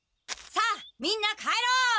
さあみんな帰ろう！